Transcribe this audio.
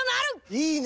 いいね！